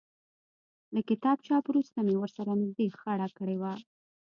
له کتاب چاپ وروسته مې ورسره نږدې خړه کړې وه.